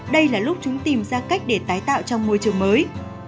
đây là lúc chúng tìm ra cách để tái tạo trong môi trường mới